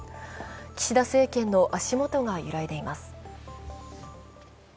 岸田政権の足元が揺らいでいます。